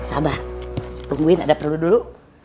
sabah tungguin ada perlu dulu